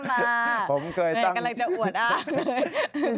ไม่อยากทำอยู่นี่กำลังจะอวดอากเลย